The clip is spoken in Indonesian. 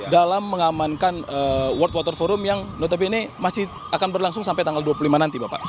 dalam mengamankan world water forum yang notabene masih akan berlangsung sampai tanggal dua puluh lima nanti bapak